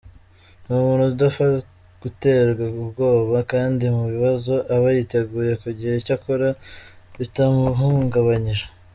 Ni umuntu udapfa guterwa ubwoba kandi mu bibazo aba yiteguye kugira icyo akora bitamuhungabanyije.